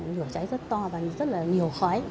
lửa cháy rất to và rất là nhiều khói